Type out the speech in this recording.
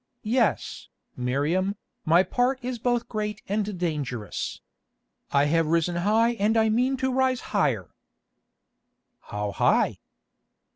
"Yes, Miriam, my part is both great and dangerous. I have risen high and I mean to rise higher." "How high?"